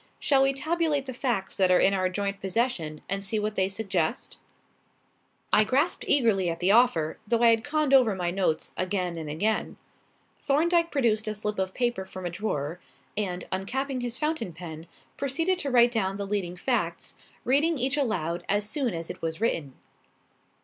Shall we tabulate the facts that are in our joint possession and see what they suggest?" I grasped eagerly at the offer, though I had conned over my notes again and again. Thorndyke produced a slip of paper from a drawer, and, uncapping his fountain pen, proceeded to write down the leading facts, reading each aloud as soon as it was written.